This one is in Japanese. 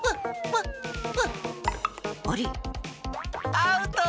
アウト！